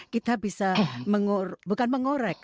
kita bisa bukan mengorek